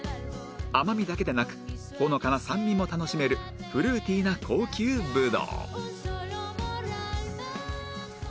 甘みだけでなくほのかな酸味も楽しめるフルーティーな高級ブドウ